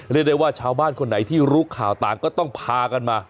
เรียกได้ว่าชาวบ้านคนไหนที่รู้ข่าวต่างก็ต้องพากันมา